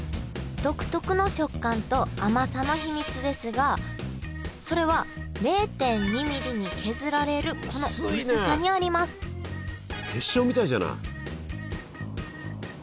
独特の食感と甘さの秘密ですがそれは０．２ミリに削られるこの薄さにあります結晶みたいじゃない。